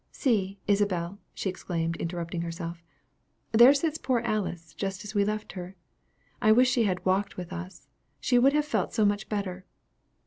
See, Isabel!" exclaimed she, interrupting herself, "there sits poor Alice, just as we left her. I wish she had walked with us she would have felt so much better.